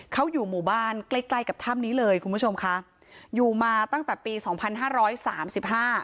เขาอยู่หมู่บ้านใกล้ใกล้กับถ้ำนี้เลยคุณผู้ชมค่ะอยู่มาตั้งแต่ปีสองพันห้าร้อยสามสิบห้า